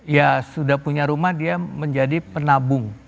ya sudah punya rumah dia menjadi penabung